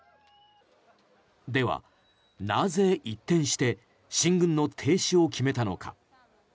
では、なぜ一転して進軍の停止を決めたのか。